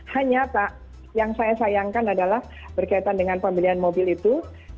hanya tak yang saya sayangkan adalah berkaitan dengan pembelian mobil itu